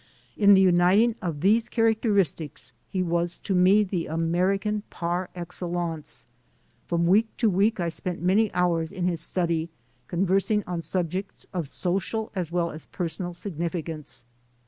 In the uniting of these characteristics, he was to me the American par excellence. From week to week I spent many hours in his study conversing on sub jects of social as well as personal significance.